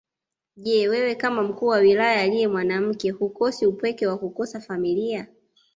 Je wewe kama mkuu wa Wilaya aliye mwanamke hukosi upweke wa kukosa familia